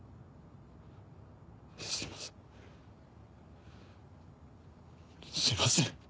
すいません。